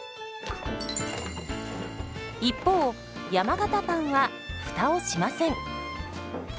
一方山型パンはフタをしません。